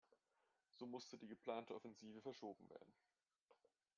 So musste die geplante Offensive verschoben werden.